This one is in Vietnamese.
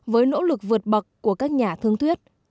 với nỗ lực vượt bậc của các nhà thương thuyết